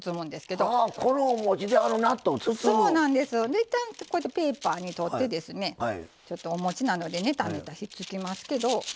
いったんペーパーにとってですねちょっとおもちなのでネタネタひっつきますけど。